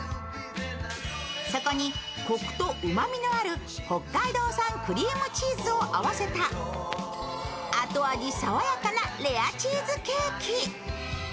そこにコクとうまみのある北海道産クリームチーズを合わせた後味爽やかなレアチーズケーキ。